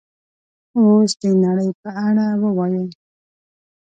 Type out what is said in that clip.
اوس د نړۍ په اړه ووایئ